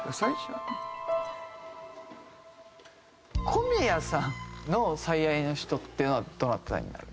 小宮さんの最愛の人っていうのはどなたになる？